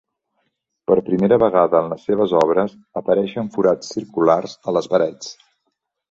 Per primera vegada en les seves obres apareixen forats circulars a les parets.